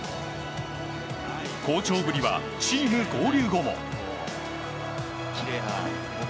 好調ぶりはチーム合流後も。